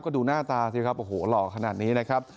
ก็ดูหน้าตาสิครับโอ้โหหล่อขนาดนี้นะครับ